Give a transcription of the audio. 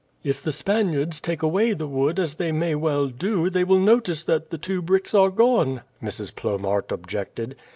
"If the Spaniards take away the wood, as they may well do, they will notice that the two bricks are gone," Mrs. Plomaert objected.